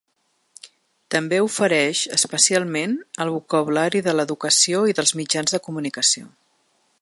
També ofereix, especialment, el vocabulari de l’educació i dels mitjans de comunicació.